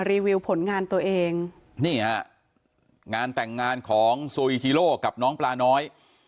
รีวิวผลงานตัวเองนี่ฮะงานแต่งงานของซูอิจิโลกับน้องปลาน้อย